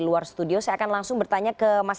luar studio saya akan langsung bertanya ke mas